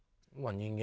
人間。